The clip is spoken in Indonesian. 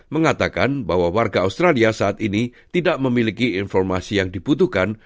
mengatakan bahwa warga australia saat ini tidak memiliki informasi yang dibutuhkan